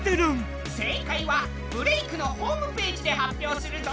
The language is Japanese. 正解は「ブレイクッ！」のホームページで発表するぞ。